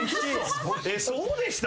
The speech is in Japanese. そうでした？